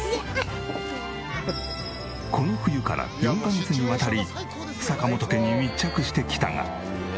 この冬から４カ月にわたり坂本家に密着してきたが。